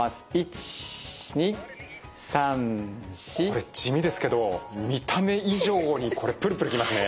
これ地味ですけど見た目以上にこれプルプルきますね。